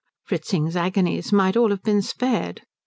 Fritzing's agonies might all have been spared.